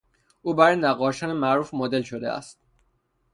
او برای نقاشان معروف مدل شده است.